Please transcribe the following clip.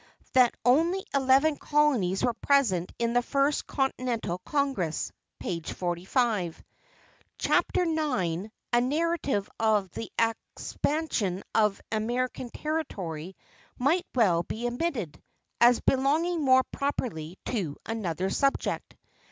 that only eleven colonies were present in the First Continental Congress (p. 45). Chapter IX, a narrative of the expansion of American territory might well be omitted, as belonging more properly to another subject.